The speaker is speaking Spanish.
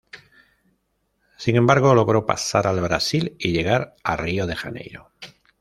Sin embargo, logró pasar al Brasil y llegar a Río de Janeiro.